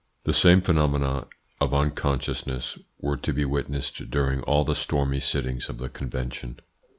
The same phenomena of unconsciousness were to be witnessed during all the stormy sittings of the Convention.